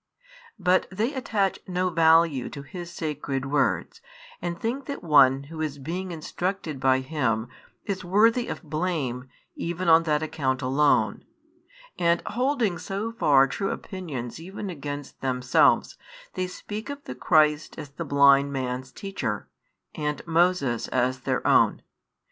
But they attach no value to His sacred words, and think that one who is being instructed by Him is worthy of blame even on that account alone; and holding so far true opinions even against themselves, they speak of the Christ as the blind man's teacher, and Moses as their own.